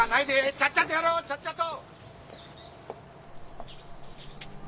ちゃっちゃとやろうちゃっちゃと！